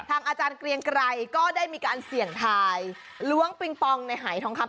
อาจารย์เกรียงไกรก็ได้มีการเสี่ยงทายล้วงปิงปองในหายทองคำ